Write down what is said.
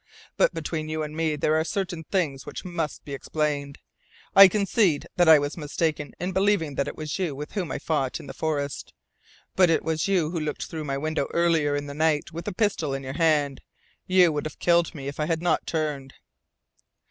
But between you and me there are certain things which must be explained. I concede that I was mistaken in believing that it was you with whom I fought in the forest. But it was you who looked through my window earlier in the night, with a pistol in your hand. You would have killed me if I had not turned."